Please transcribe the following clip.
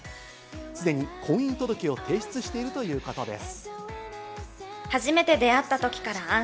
すでに婚姻届を提出しているということです。